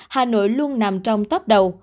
hà nội luôn nằm trong top đầu